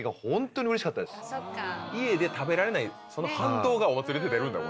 家で食べられないその反動がお祭りで出るんだ。